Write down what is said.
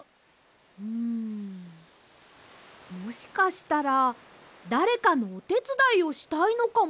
うんもしかしたらだれかのおてつだいをしたいのかもしれません。